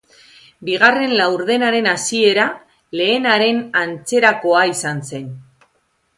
Bigarren laurdenaren hasiera lehenaren antzerakoa izan zen.